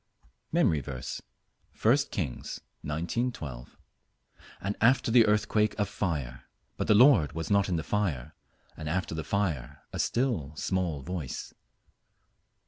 MEMORY VERSE, I Kings 19: 12 "And after the earthquake a fire; but the Lord was not in the fire: and after the fire a still small voice."